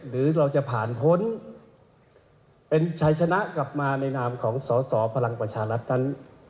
หรือเราจะผ่านพ้นเป็นชัยชนะกลับมาในนามของสอสอพลังประชารัฐนั้น